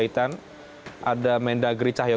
kitar dua jam yang lalu